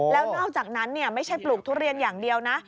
แล้วนอกจากนั้นไม่ใช่ปลูกทุเรียนอย่างเดียวนะ